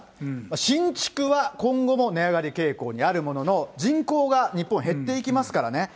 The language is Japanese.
新築は今後も値上がり傾向にあるものの、人口が日本は減っていきますからね。